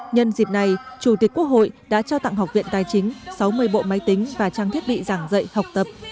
nhân dịp này chủ tịch quốc hội đã trao tặng học viện tài chính sáu mươi bộ máy tính và trang thiết bị giảng dạy học tập